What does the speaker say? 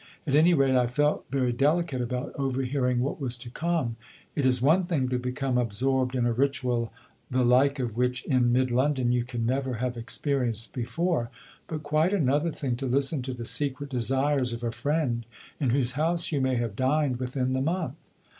At any rate I felt very delicate about overhearing what was to come. It is one thing to become absorbed in a ritual the like of which, in mid London, you can never have experienced before, but quite another thing to listen to the secret desires of a friend in whose house you may have dined within the month.